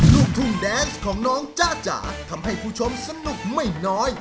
ลูกทุ่งแดนส์ของน้องจ๊ะจ๋าทำให้ผู้ชมสนุกไม่น้อย